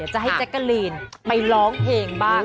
จะให้แจ๊กกะลีนไปร้องเพลงบ้าง